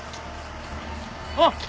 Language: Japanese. あっ！